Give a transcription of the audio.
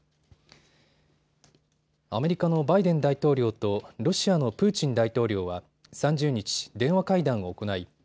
アメリカのバイデン大統領とロシアのプーチン大統領は３０日、電話会談を行い